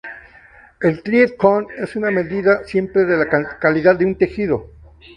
El "Thread count" es una medida simple de la calidad de un tejido.